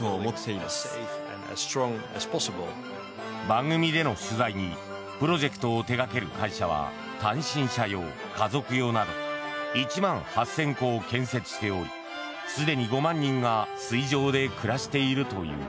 番組での取材にプロジェクトを手掛ける会社は単身者用・家族用など１万８０００戸を建設しておりすでに５万人が水上で暮らしているという。